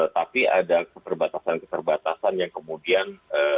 tapi ada keterbatasan keterbatasan yang kemudian